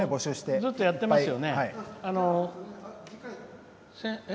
ずっとやってますよね。